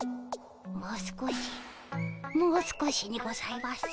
もう少しもう少しにございます。